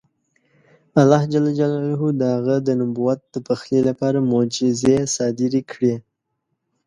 الله جل جلاله د هغه د نبوت د پخلي لپاره معجزې صادرې کړې.